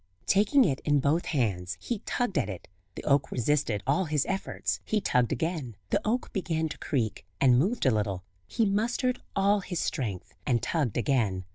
Taking it in both hands he tugged at it; the oak resisted all his efforts; he tugged again, the oak began to creak, and moved a little; he mustered all his strength, and tugged again.